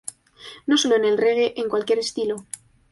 No solo en el reggae, en cualquier estilo.